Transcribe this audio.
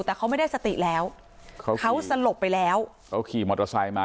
แต่เขาไม่ได้สติแล้วเขาสลบไปแล้วเขาขี่มอเตอร์ไซค์มา